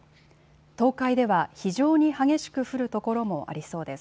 東海では非常に激しく降る所もありそうです。